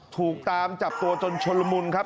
ถูกตามจับตัวจนชนละมุนครับ